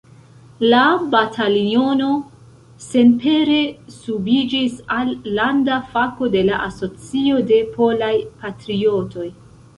La bataliono senpere subiĝis al landa fako de la Asocio de Polaj Patriotoj.